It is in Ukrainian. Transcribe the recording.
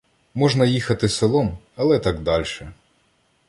— Можна їхати селом, але так дальше.